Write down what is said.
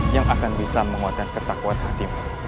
yang akan bisa menguatkan ketakuan hatimu